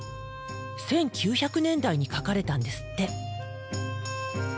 １９００年代に描かれたんですって。